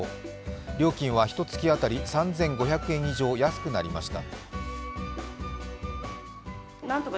料金はひと月当たり３５００円以上、安くなりました。